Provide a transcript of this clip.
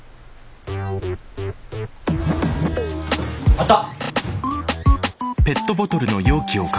あった！